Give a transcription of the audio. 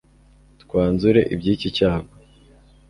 twanzure iby'iki cyago